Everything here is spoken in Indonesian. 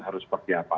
harus seperti apa